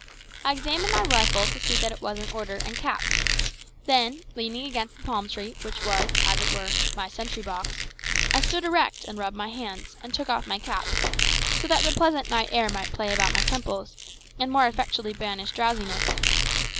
I examined my rifle to see that it was in order and capped; then leaning against the palm tree, which was, as it were, my sentry box, I stood erect and rubbed my hands and took off my cap, so that the pleasant night air might play about my temples, and more effectually banish drowsiness.